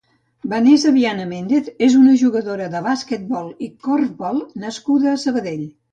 Vanessa Viana Méndez és una jugadora de bàsquetbol i corfbol nascuda a Sabadell.